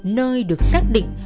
nơi được xác định